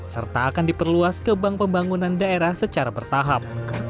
serta akan diperluas ke bank pembangunan daerah secara bertahap